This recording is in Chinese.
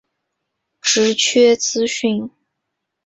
职缺资讯